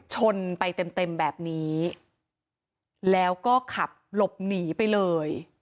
ชนไปเต็มเต็มแบบนี้แล้วก็ขับหลบหนีไปเลย